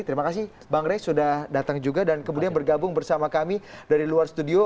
terima kasih bang rey sudah datang juga dan kemudian bergabung bersama kami dari luar studio